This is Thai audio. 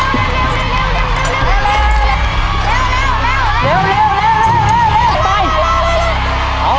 เร็วเร็วเร็ว